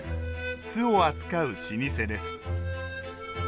酢を扱う老舗です